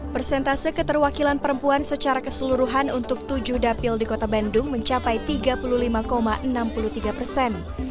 persentase keterwakilan perempuan secara keseluruhan untuk tujuh dapil di kota bandung mencapai tiga puluh lima enam puluh tiga persen